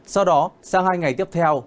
sau đó sang hai ngày tiếp theo